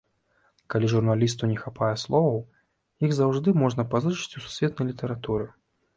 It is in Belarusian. Калі журналісту не хапае словаў, іх заўжды можна пазычыць у сусветнай літаратуры.